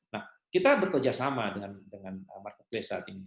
nah kita bekerja sama dengan marketplace saat ini